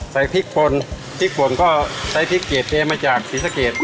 ใส่พริกปนพริกผมก็ใช้พริกเกจแย้มาจากศิษย์เกรด